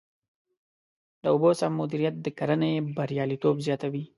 د اوبو سم مدیریت د کرنې بریالیتوب زیاتوي.